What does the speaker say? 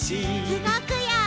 うごくよ！